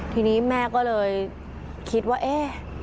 ทีนี้แม่ก็เลยคิดว่าเอ๊ะ